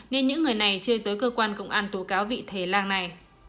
nên những người này chơi tới cơ quan công an tố cáo vị thế làng này